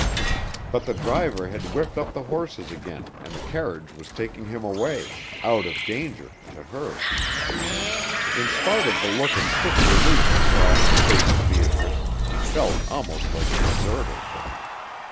But the driver had whipped up the horses again and the carriage was taking him away out of danger to her. In spite of the look of quick relief he saw in the face of Beatrice, he felt almost like a deserter.